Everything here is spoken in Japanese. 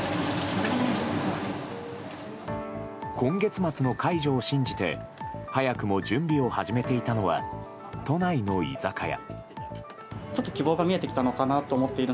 今月末の解除を信じて早くも準備を始めていたのは都内の居酒屋。